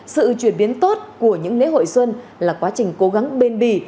sự chuyển biến tốt của những lễ hội xuân là quá trình cố gắng bền bỉ